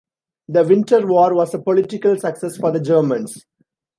The Winter War was a political success for the Germans.